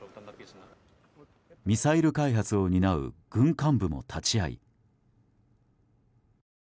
ミサイル開発を担う軍幹部も立ち会い。